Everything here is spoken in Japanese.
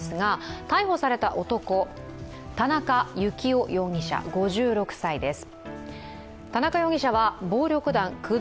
逮捕された男、田中幸雄容疑者５６歳です。